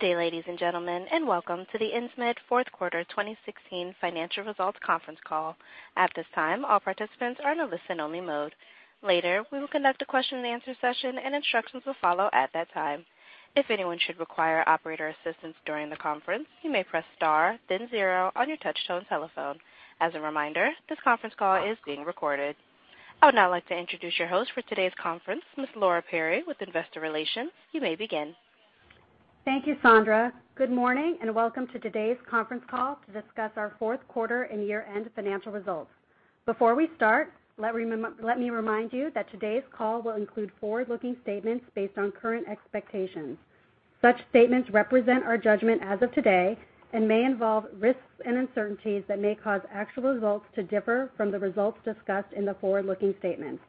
Good day, ladies and gentlemen. Welcome to the Insmed fourth quarter 2016 financial results conference call. At this time, all participants are in a listen-only mode. Later, we will conduct a question and answer session. Instructions will follow at that time. If anyone should require operator assistance during the conference, you may press star then zero on your touch-tone telephone. As a reminder, this conference call is being recorded. I would now like to introduce your host for today's conference, Ms. Laura Perry, with Investor Relations. You may begin. Thank you, Sandra. Good morning. Welcome to today's conference call to discuss our fourth quarter and year-end financial results. Before we start, let me remind you that today's call will include forward-looking statements based on current expectations. Such statements represent our judgment as of today and may involve risks and uncertainties that may cause actual results to differ from the results discussed in the forward-looking statements.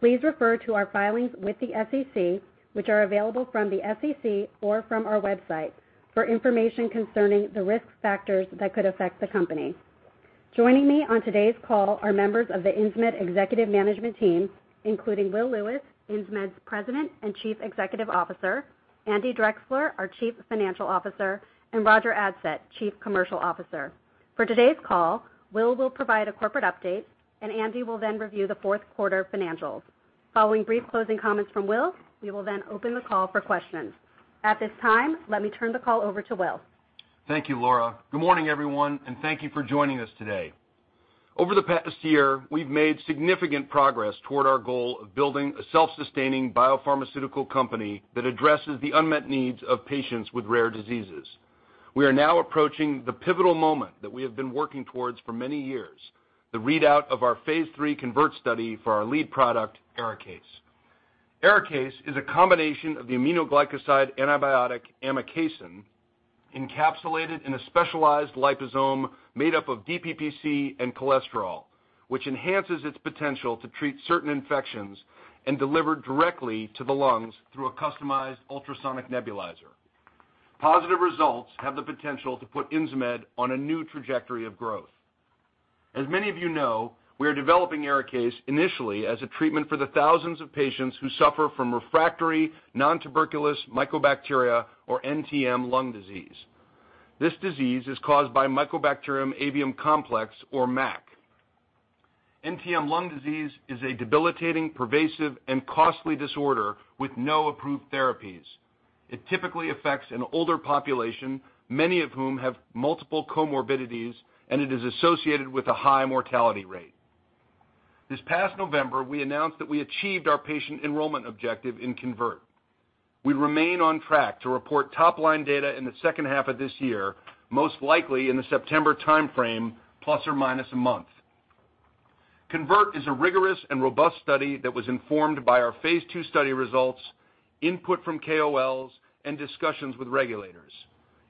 Please refer to our filings with the SEC, which are available from the SEC or from our website, for information concerning the risk factors that could affect the company. Joining me on today's call are members of the Insmed Executive Management Team, including Will Lewis, Insmed's President and Chief Executive Officer, Andy Drechsler, our Chief Financial Officer, and Roger Adsett, Chief Commercial Officer. For today's call, Will will provide a corporate update. Andy will then review the fourth quarter financials. Following brief closing comments from Will, we will then open the call for questions. At this time, let me turn the call over to Will. Thank you, Laura. Good morning, everyone. Thank you for joining us today. Over the past year, we've made significant progress toward our goal of building a self-sustaining biopharmaceutical company that addresses the unmet needs of patients with rare diseases. We are now approaching the pivotal moment that we have been working towards for many years, the readout of our phase III CONVERT study for our lead product, ARIKAYCE. ARIKAYCE is a combination of the aminoglycoside antibiotic amikacin encapsulated in a specialized liposome made up of DPPC and cholesterol, which enhances its potential to treat certain infections and deliver directly to the lungs through a customized ultrasonic nebulizer. Positive results have the potential to put Insmed on a new trajectory of growth. As many of you know, we are developing ARIKAYCE initially as a treatment for the thousands of patients who suffer from refractory nontuberculous mycobacteria or NTM lung disease. This disease is caused by Mycobacterium avium complex or MAC. NTM lung disease is a debilitating, pervasive, and costly disorder with no approved therapies. It typically affects an older population, many of whom have multiple comorbidities, and it is associated with a high mortality rate. This past November, we announced that we achieved our patient enrollment objective in CONVERT. We remain on track to report top-line data in the second half of this year, most likely in the September timeframe, plus or minus a month. CONVERT is a rigorous and robust study that was informed by our phase II study results, input from KOLs, and discussions with regulators.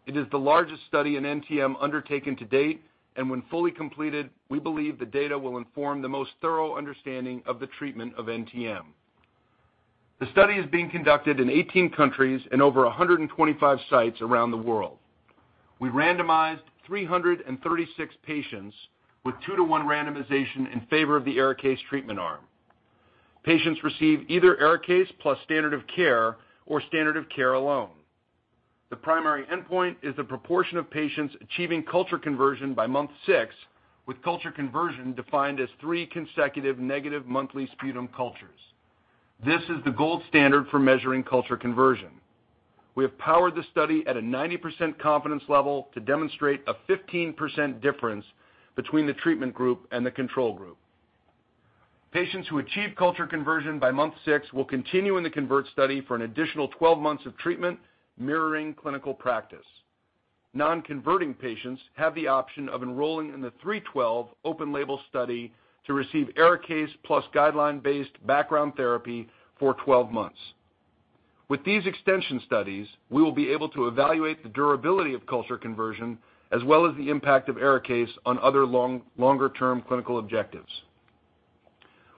It is the largest study in NTM undertaken to date, and when fully completed, we believe the data will inform the most thorough understanding of the treatment of NTM. The study is being conducted in 18 countries and over 125 sites around the world. We randomized 336 patients with 2-to-1 randomization in favor of the ARIKAYCE treatment arm. Patients receive either ARIKAYCE plus standard of care or standard of care alone. The primary endpoint is the proportion of patients achieving culture conversion by month six, with culture conversion defined as three consecutive negative monthly sputum cultures. This is the gold standard for measuring culture conversion. We have powered the study at a 90% confidence level to demonstrate a 15% difference between the treatment group and the control group. Patients who achieve culture conversion by month six will continue in the CONVERT study for an additional 12 months of treatment, mirroring clinical practice. Non-converting patients have the option of enrolling in the INS-312 open-label study to receive ARIKAYCE plus guideline-based background therapy for 12 months. With these extension studies, we will be able to evaluate the durability of culture conversion, as well as the impact of ARIKAYCE on other longer-term clinical objectives.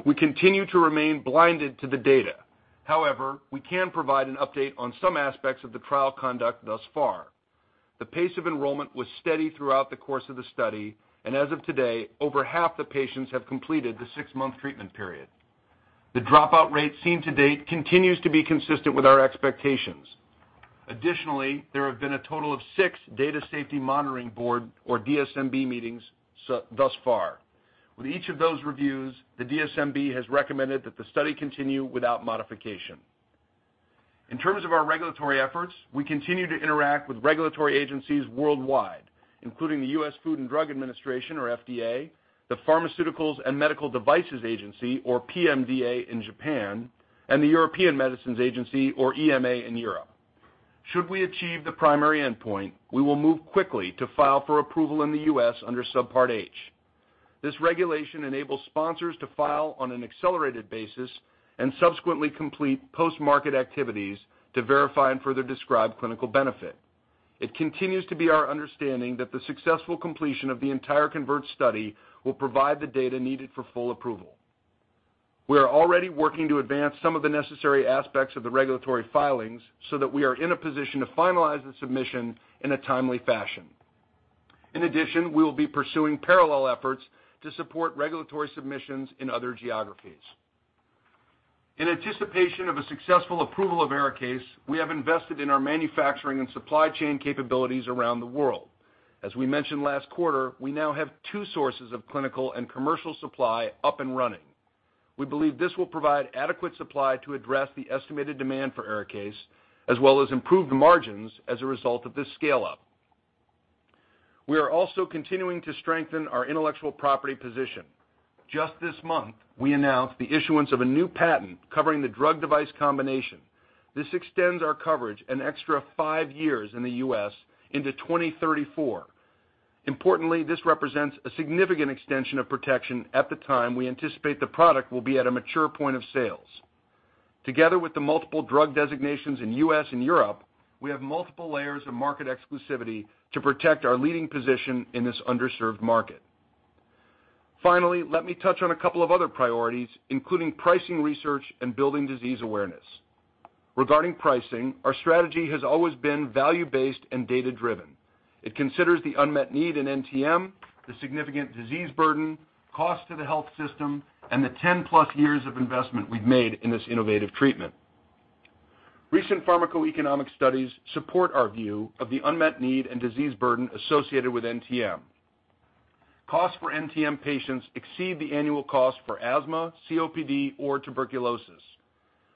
We continue to remain blinded to the data. However, we can provide an update on some aspects of the trial conduct thus far. The pace of enrollment was steady throughout the course of the study, and as of today, over half the patients have completed the six-month treatment period. The dropout rate seen to date continues to be consistent with our expectations. Additionally, there have been a total of six data safety monitoring board, or DSMB, meetings thus far. With each of those reviews, the DSMB has recommended that the study continue without modification. In terms of our regulatory efforts, we continue to interact with regulatory agencies worldwide, including the U.S. Food and Drug Administration, or FDA, the Pharmaceuticals and Medical Devices Agency, or PMDA, in Japan, and the European Medicines Agency, or EMA, in Europe. Should we achieve the primary endpoint, we will move quickly to file for approval in the U.S. under Subpart H. This regulation enables sponsors to file on an accelerated basis and subsequently complete post-market activities to verify and further describe clinical benefit. It continues to be our understanding that the successful completion of the entire CONVERT study will provide the data needed for full approval. We are already working to advance some of the necessary aspects of the regulatory filings so that we are in a position to finalize the submission in a timely fashion. We will be pursuing parallel efforts to support regulatory submissions in other geographies. In anticipation of a successful approval of ARIKAYCE, we have invested in our manufacturing and supply chain capabilities around the world. As we mentioned last quarter, we now have two sources of clinical and commercial supply up and running. We believe this will provide adequate supply to address the estimated demand for ARIKAYCE, as well as improved margins as a result of this scale-up. We are also continuing to strengthen our intellectual property position. Just this month, we announced the issuance of a new patent covering the drug device combination. This extends our coverage an extra five years in the U.S. into 2034. Importantly, this represents a significant extension of protection at the time we anticipate the product will be at a mature point of sales. Together with the multiple drug designations in U.S. and Europe, we have multiple layers of market exclusivity to protect our leading position in this underserved market. Finally, let me touch on a couple of other priorities, including pricing research and building disease awareness. Regarding pricing, our strategy has always been value-based and data-driven. It considers the unmet need in NTM, the significant disease burden, cost to the health system, and the 10+ years of investment we've made in this innovative treatment. Recent pharmacoeconomic studies support our view of the unmet need and disease burden associated with NTM. Costs for NTM patients exceed the annual cost for asthma, COPD, or tuberculosis.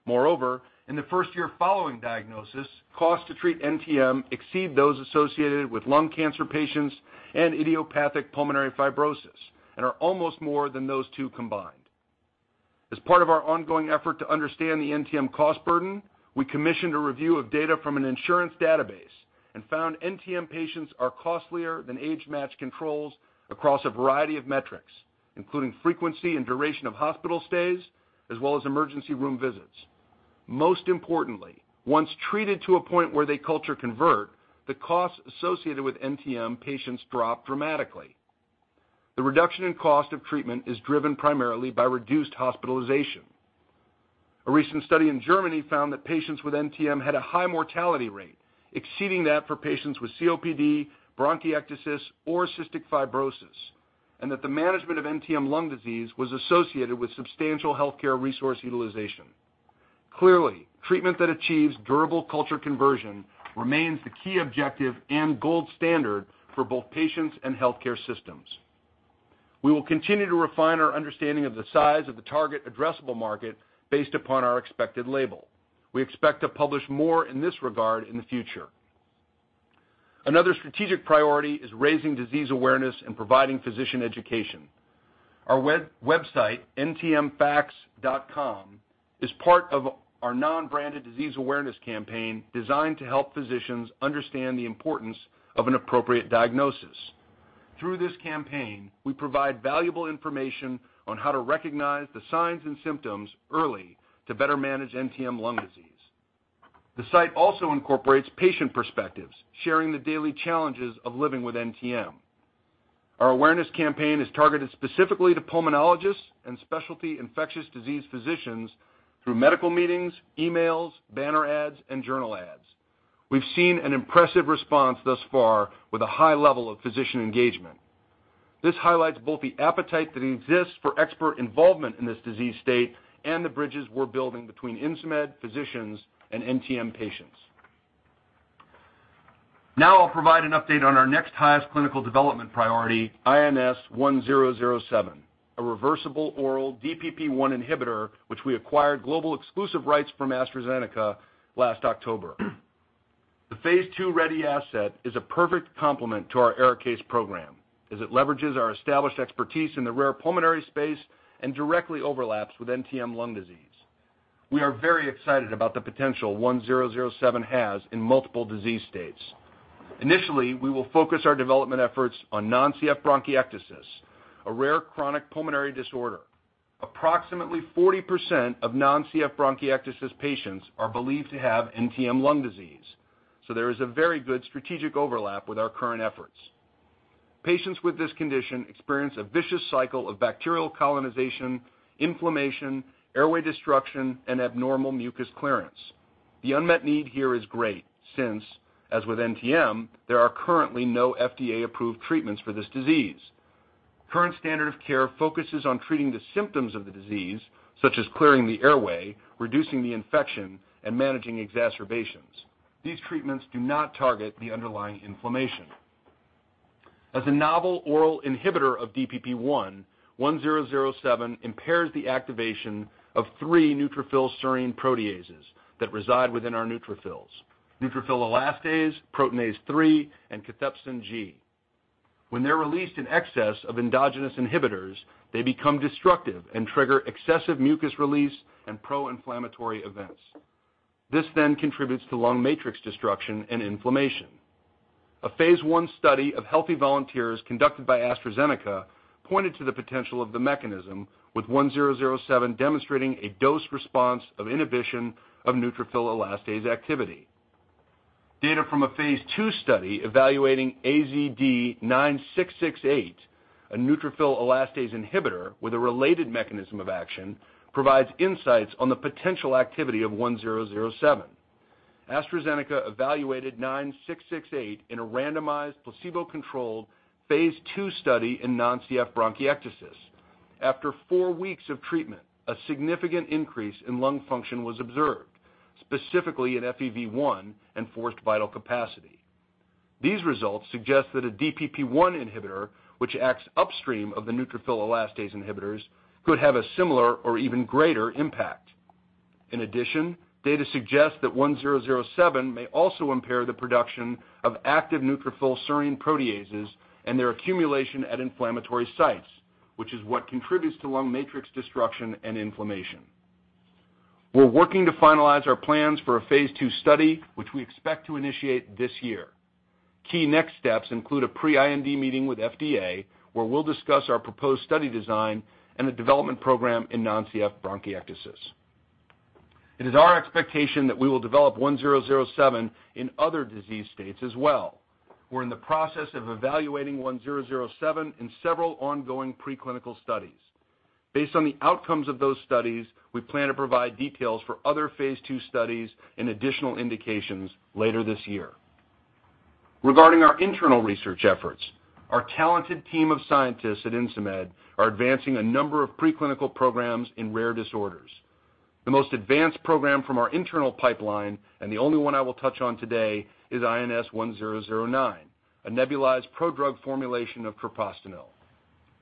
Moreover, in the first year following diagnosis, costs to treat NTM exceed those associated with lung cancer patients and idiopathic pulmonary fibrosis and are almost more than those two combined. As part of our ongoing effort to understand the NTM cost burden, we commissioned a review of data from an insurance database and found NTM patients are costlier than age-matched controls across a variety of metrics, including frequency and duration of hospital stays as well as emergency room visits. Most importantly, once treated to a point where they culture convert, the costs associated with NTM patients drop dramatically. The reduction in cost of treatment is driven primarily by reduced hospitalization. A recent study in Germany found that patients with NTM had a high mortality rate, exceeding that for patients with COPD, bronchiectasis, or cystic fibrosis, and that the management of NTM lung disease was associated with substantial healthcare resource utilization. Clearly, treatment that achieves durable culture conversion remains the key objective and gold standard for both patients and healthcare systems. We will continue to refine our understanding of the size of the target addressable market based upon our expected label. We expect to publish more in this regard in the future. Another strategic priority is raising disease awareness and providing physician education. Our website, ntmfacts.com, is part of our non-branded disease awareness campaign designed to help physicians understand the importance of an appropriate diagnosis. Through this campaign, we provide valuable information on how to recognize the signs and symptoms early to better manage NTM lung disease. The site also incorporates patient perspectives, sharing the daily challenges of living with NTM. Our awareness campaign is targeted specifically to pulmonologists and specialty infectious disease physicians through medical meetings, emails, banner ads, and journal ads. We've seen an impressive response thus far with a high level of physician engagement. This highlights both the appetite that exists for expert involvement in this disease state and the bridges we're building between Insmed, physicians, and NTM patients. I'll provide an update on our next highest clinical development priority, INS1007, a reversible oral DPP-1 inhibitor, which we acquired global exclusive rights from AstraZeneca last October. The phase II-ready asset is a perfect complement to our ARIKAYCE program, as it leverages our established expertise in the rare pulmonary space and directly overlaps with NTM lung disease. We are very excited about the potential 1007 has in multiple disease states. Initially, we will focus our development efforts on non-CF bronchiectasis, a rare chronic pulmonary disorder. Approximately 40% of non-CF bronchiectasis patients are believed to have NTM lung disease, there is a very good strategic overlap with our current efforts. Patients with this condition experience a vicious cycle of bacterial colonization, inflammation, airway destruction, and abnormal mucus clearance. The unmet need here is great since, as with NTM, there are currently no FDA-approved treatments for this disease. Current standard of care focuses on treating the symptoms of the disease, such as clearing the airway, reducing the infection, and managing exacerbations. These treatments do not target the underlying inflammation. As a novel oral inhibitor of DPP-1, 1007 impairs the activation of three neutrophil serine proteases that reside within our neutrophils: neutrophil elastase, proteinase 3, and cathepsin G. When they're released in excess of endogenous inhibitors, they become destructive and trigger excessive mucus release and pro-inflammatory events. This contributes to lung matrix destruction and inflammation. A phase I study of healthy volunteers conducted by AstraZeneca pointed to the potential of the mechanism with 1007 demonstrating a dose response of inhibition of neutrophil elastase activity. Data from a phase II study evaluating AZD9668, a neutrophil elastase inhibitor with a related mechanism of action, provides insights on the potential activity of 1007. AstraZeneca evaluated 9668 in a randomized, placebo-controlled phase II study in non-CF bronchiectasis. After four weeks of treatment, a significant increase in lung function was observed, specifically in FEV1 and forced vital capacity. These results suggest that a DPP-1 inhibitor, which acts upstream of the neutrophil elastase inhibitors, could have a similar or even greater impact. In addition, data suggests that 1007 may also impair the production of active neutrophil serine proteases and their accumulation at inflammatory sites, which is what contributes to lung matrix destruction and inflammation. We're working to finalize our plans for a phase II study, which we expect to initiate this year. Key next steps include a pre-IND meeting with FDA, where we'll discuss our proposed study design and the development program in non-CF bronchiectasis. It is our expectation that we will develop 1007 in other disease states as well. We're in the process of evaluating 1007 in several ongoing preclinical studies. Based on the outcomes of those studies, we plan to provide details for other phase II studies and additional indications later this year. Regarding our internal research efforts, our talented team of scientists at Insmed are advancing a number of preclinical programs in rare disorders. The most advanced program from our internal pipeline, and the only one I will touch on today, is INS1009, a nebulized prodrug formulation of treprostinil.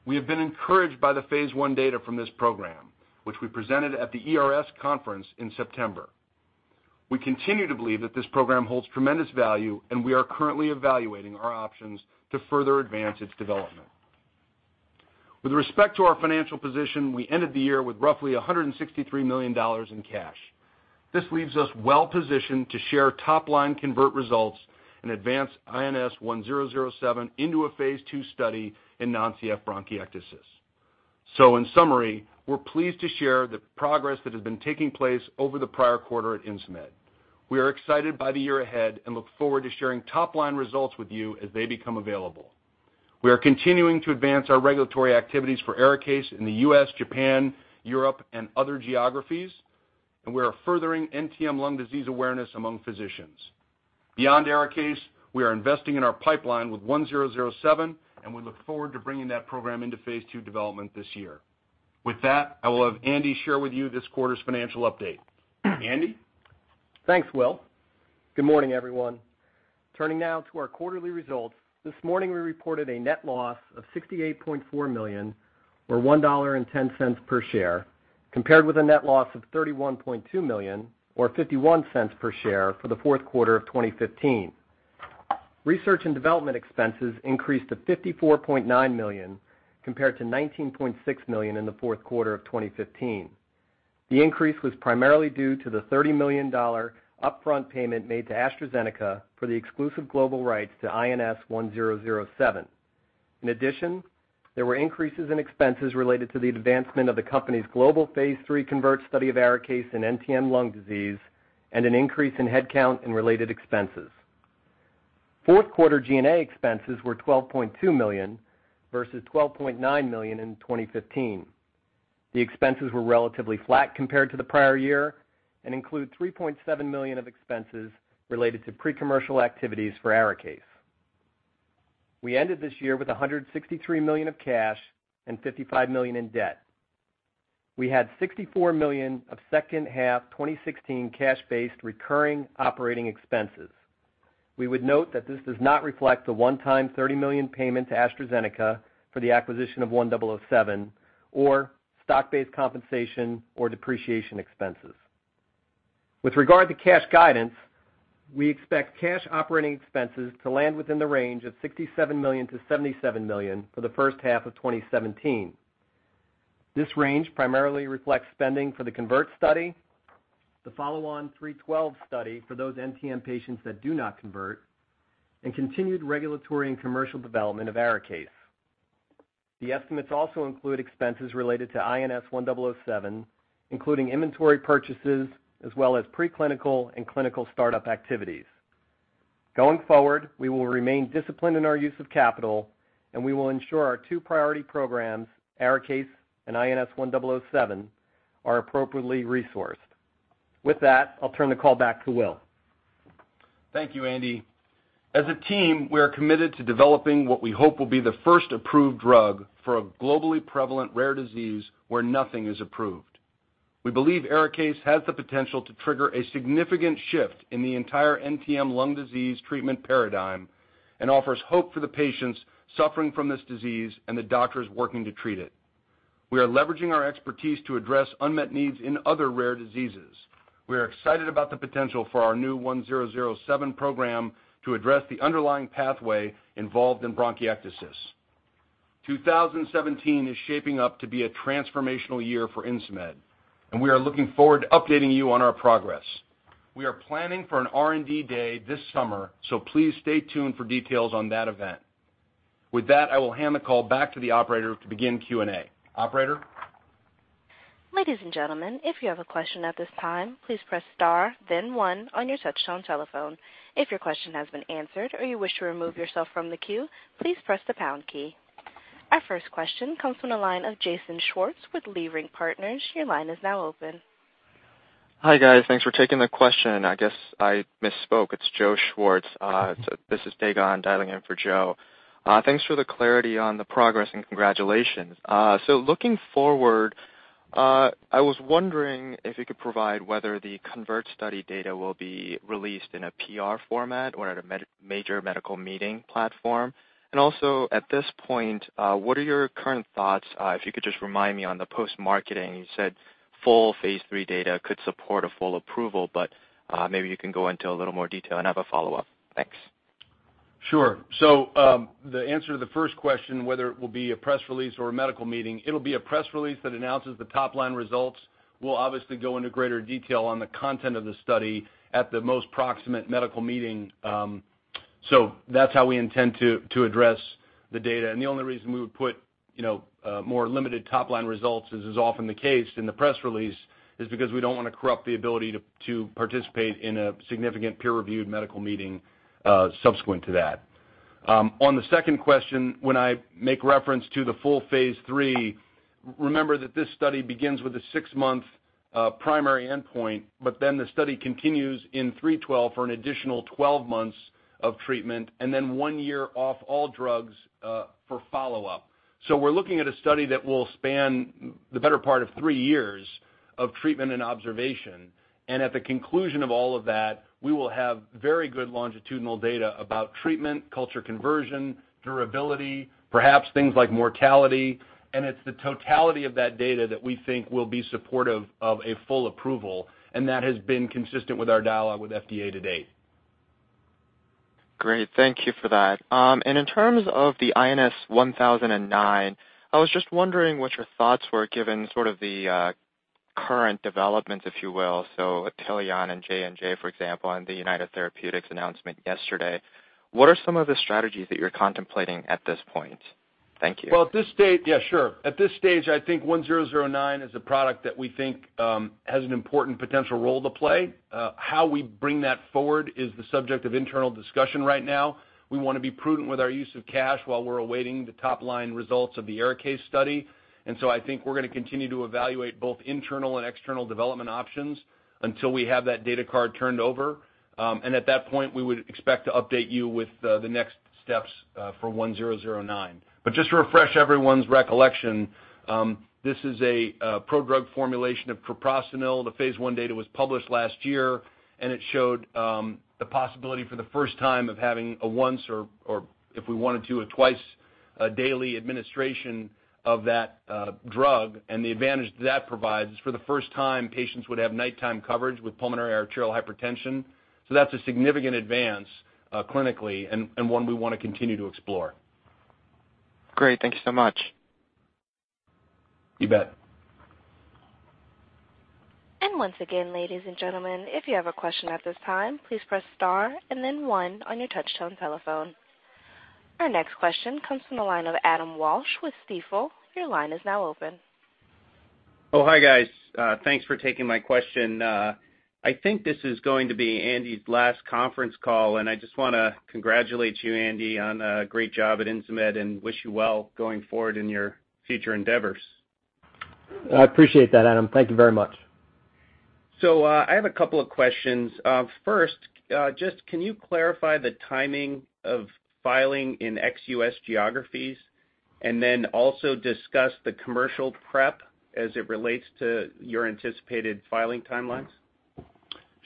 We have been encouraged by the phase I data from this program, which we presented at the ERS conference in September. We continue to believe that this program holds tremendous value, and we are currently evaluating our options to further advance its development. With respect to our financial position, we ended the year with roughly $163 million in cash. This leaves us well positioned to share top-line CONVERT results and advance INS1007 into a phase II study in non-CF bronchiectasis. In summary, we're pleased to share the progress that has been taking place over the prior quarter at Insmed. We are excited by the year ahead and look forward to sharing top-line results with you as they become available. We are continuing to advance our regulatory activities for ARIKAYCE in the U.S., Japan, Europe, and other geographies, and we are furthering NTM lung disease awareness among physicians. Beyond ARIKAYCE, we are investing in our pipeline with 1007, and we look forward to bringing that program into phase II development this year. With that, I will have Andy share with you this quarter's financial update. Andy? We ended this year with $163 million of cash and $55 million in debt. We had $64 million of second half 2016 cash-based recurring operating expenses. We would note that this does not reflect the one-time $30 million payment to AstraZeneca for the acquisition of INS1007 or stock-based compensation or depreciation expenses. as well as pre-clinical and clinical startup activities. Going forward, we will remain disciplined in our use of capital, and we will ensure our two priority programs, ARIKAYCE and INS1007, are appropriately resourced. With that, I'll turn the call back to Will. Thank you, Andy. As a team, we are committed to developing what we hope will be the first approved drug for a globally prevalent rare disease where nothing is approved. We believe ARIKAYCE has the potential to trigger a significant shift in the entire NTM lung disease treatment paradigm and offers hope for the patients suffering from this disease and the doctors working to treat it. We are leveraging our expertise to address unmet needs in other rare diseases. We are excited about the potential for our new 1007 program to address the underlying pathway involved in bronchiectasis. 2017 is shaping up to be a transformational year for Insmed, and we are looking forward to updating you on our progress. We are planning for an R&D day this summer, so please stay tuned for details on that event. With that, I will hand the call back to the operator to begin Q&A. Operator? Ladies and gentlemen, if you have a question at this time, please press star then one on your touchtone telephone. If your question has been answered or you wish to remove yourself from the queue, please press the pound key. Our first question comes from the line of Jason Schwartz with Leerink Partners. Your line is now open. Hi, guys. Thanks for taking the question. I guess I misspoke. It's Joseph Schwartz. This is Dae Gon Ha dialing in for Joe. Thanks for the clarity on the progress, and congratulations. Looking forward, I was wondering if you could provide whether the CONVERT study data will be released in a PR format or at a major medical meeting platform. At this point, what are your current thoughts, if you could just remind me on the post-marketing, you said full phase III data could support a full approval, but maybe you can go into a little more detail, and I have a follow-up. Thanks. Sure. The answer to the first question, whether it will be a press release or a medical meeting, it'll be a press release that announces the top-line results. We'll obviously go into greater detail on the content of the study at the most proximate medical meeting. That's how we intend to address the data. The only reason we would put more limited top-line results, as is often the case in the press release, is because we don't want to corrupt the ability to participate in a significant peer-reviewed medical meeting subsequent to that. On the second question, when I make reference to the full phase III, remember that this study begins with a six-month primary endpoint, but then the study continues in INS-312 for an additional 12 months of treatment, and then one year off all drugs for follow-up. We're looking at a study that will span the better part of three years of treatment and observation. At the conclusion of all of that, we will have very good longitudinal data about treatment, culture conversion, durability, perhaps things like mortality. It's the totality of that data that we think will be supportive of a full approval, and that has been consistent with our dialogue with FDA to date. Great. Thank you for that. In terms of the INS-1009, I was just wondering what your thoughts were, given sort of the current developments, if you will. Actelion and J&J, for example, and the United Therapeutics announcement yesterday. What are some of the strategies that you're contemplating at this point? Thank you. Well, at this stage, I think INS1009 is a product that we think has an important potential role to play. How we bring that forward is the subject of internal discussion right now. We want to be prudent with our use of cash while we're awaiting the top-line results of the ARIKAYCE study. I think we're going to continue to evaluate both internal and external development options until we have that data card turned over. At that point, we would expect to update you with the next steps for INS1009. Just to refresh everyone's recollection, this is a prodrug formulation of treprostinil. The phase I data was published last year, and it showed the possibility for the first time of having a once or, if we wanted to, a twice daily administration of that drug. The advantage that provides is for the first time, patients would have nighttime coverage with pulmonary arterial hypertension. That's a significant advance clinically and one we want to continue to explore. Great. Thank you so much. You bet. Once again, ladies and gentlemen, if you have a question at this time, please press star and then one on your touch-tone telephone. Our next question comes from the line of Adam Walsh with Stifel. Your line is now open. Hi, guys. Thanks for taking my question. I think this is going to be Andy's last conference call. I just want to congratulate you, Andy, on a great job at Insmed and wish you well going forward in your future endeavors. I appreciate that, Adam. Thank you very much. I have a couple of questions. First, just can you clarify the timing of filing in ex-U.S. geographies and then also discuss the commercial prep as it relates to your anticipated filing timelines?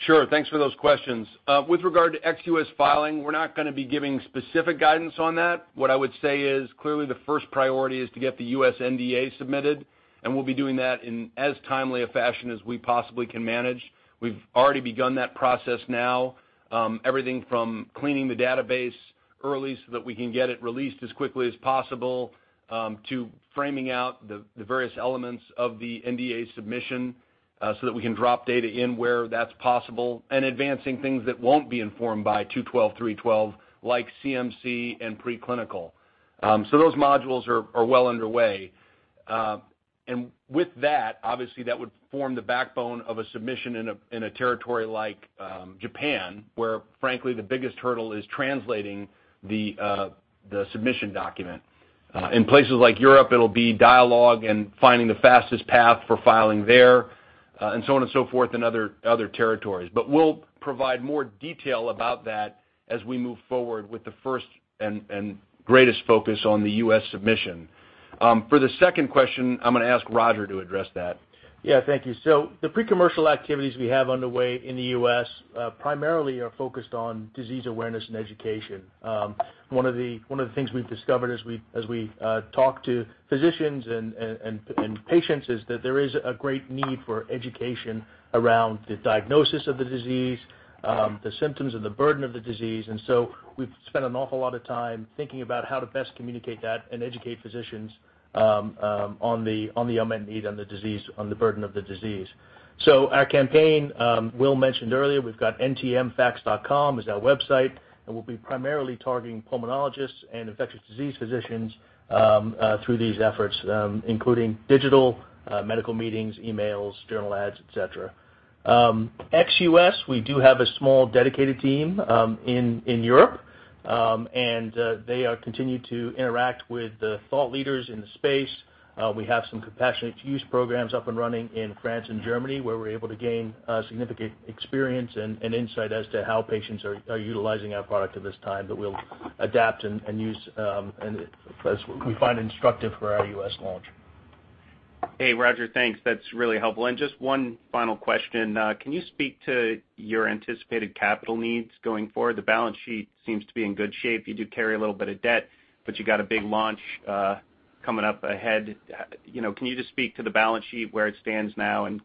Sure. Thanks for those questions. With regard to ex-U.S. filing, we're not going to be giving specific guidance on that. What I would say is clearly the first priority is to get the U.S. NDA submitted, and we'll be doing that in as timely a fashion as we possibly can manage. We've already begun that process now. Everything from cleaning the database early so that we can get it released as quickly as possible to framing out the various elements of the NDA submission so that we can drop data in where that's possible, and advancing things that won't be informed by INS-212, INS-312, like CMC and preclinical. Those modules are well underway. With that, obviously that would form the backbone of a submission in a territory like Japan, where frankly the biggest hurdle is translating the submission document. In places like Europe, it'll be dialogue and finding the fastest path for filing there, and so on and so forth in other territories. We'll provide more detail about that as we move forward with the first and greatest focus on the U.S. submission. For the second question, I'm going to ask Roger to address that. Yeah, thank you. The pre-commercial activities we have underway in the U.S. primarily are focused on disease awareness and education. One of the things we've discovered as we talk to physicians and patients is that there is a great need for education around the diagnosis of the disease, the symptoms, and the burden of the disease. We've spent an awful lot of time thinking about how to best communicate that and educate physicians on the unmet need on the burden of the disease. Our campaign, Will mentioned earlier, we've got ntmfacts.com is our website. We'll be primarily targeting pulmonologists and infectious disease physicians through these efforts including digital medical meetings, emails, journal ads, et cetera. Ex-U.S., we do have a small dedicated team in Europe They continue to interact with the thought leaders in the space. We have some compassionate use programs up and running in France and Germany, where we're able to gain significant experience and insight as to how patients are utilizing our product at this time. We'll adapt and use as we find instructive for our U.S. launch. Hey, Roger. Thanks. That's really helpful. Just one final question. Can you speak to your anticipated capital needs going forward? The balance sheet seems to be in good shape. You do carry a little bit of debt, you got a big launch coming up ahead. Can you just speak to the balance sheet, where it stands now, and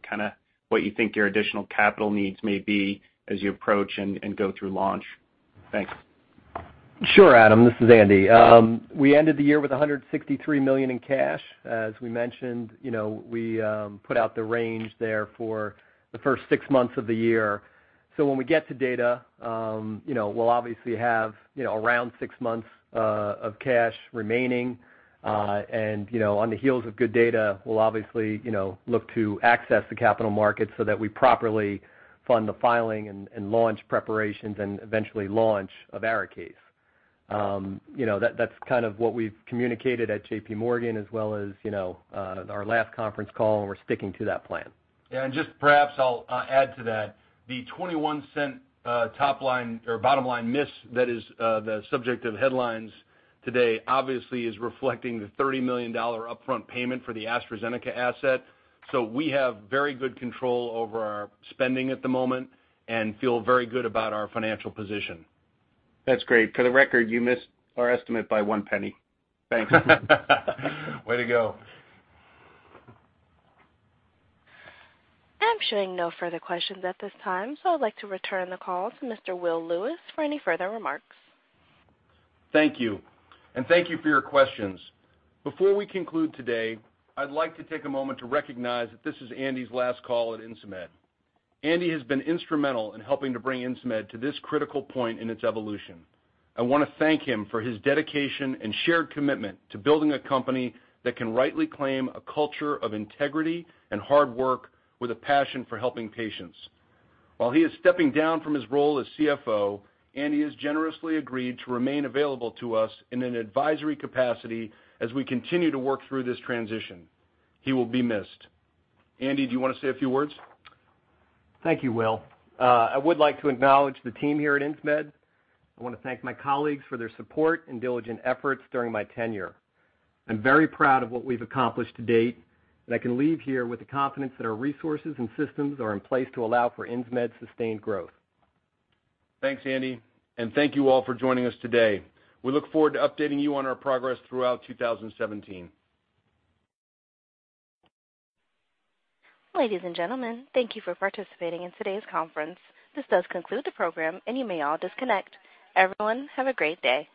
what you think your additional capital needs may be as you approach and go through launch? Thanks. Sure, Adam. This is Andy. We ended the year with $163 million in cash. As we mentioned, we put out the range there for the first six months of the year. When we get to data, we'll obviously have around six months of cash remaining. On the heels of good data, we'll obviously look to access the capital markets so that we properly fund the filing and launch preparations and eventually launch of ARIKAYCE. That's what we've communicated at J.P. Morgan as well as our last conference call, we're sticking to that plan. Yeah, just perhaps I'll add to that. The $0.21 top line or bottom line miss that is the subject of headlines today obviously is reflecting the $30 million upfront payment for the AstraZeneca asset. We have very good control over our spending at the moment and feel very good about our financial position. That's great. For the record, you missed our estimate by $0.01. Thanks. Way to go. I'm showing no further questions at this time. I'd like to return the call to Mr. Will Lewis for any further remarks. Thank you, and thank you for your questions. Before we conclude today, I'd like to take a moment to recognize that this is Andy's last call at Insmed. Andy has been instrumental in helping to bring Insmed to this critical point in its evolution. I want to thank him for his dedication and shared commitment to building a company that can rightly claim a culture of integrity and hard work with a passion for helping patients. While he is stepping down from his role as CFO, Andy has generously agreed to remain available to us in an advisory capacity as we continue to work through this transition. He will be missed. Andy, do you want to say a few words? Thank you, Will. I would like to acknowledge the team here at Insmed. I want to thank my colleagues for their support and diligent efforts during my tenure. I'm very proud of what we've accomplished to date. I can leave here with the confidence that our resources and systems are in place to allow for Insmed's sustained growth. Thanks, Andy, and thank you all for joining us today. We look forward to updating you on our progress throughout 2017. Ladies and gentlemen, thank you for participating in today's conference. This does conclude the program, and you may all disconnect. Everyone, have a great day